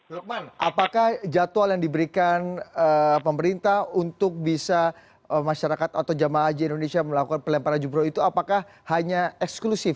lukman apakah jadwal yang diberikan pemerintah untuk bisa masyarakat atau jamaah haji indonesia melakukan pelemparan jumroh itu apakah hanya eksklusif